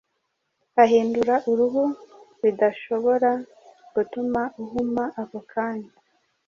ahindura uruhu bidashobora gutuma uhuma ako kanya,